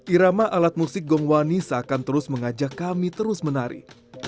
irama alat musik gongwani seakan terus mengajak kami terus menari